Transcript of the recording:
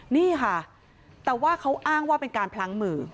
นี่ค่ะแต่ว่าเขาอ้างว่าเป็นการพลั้งมือ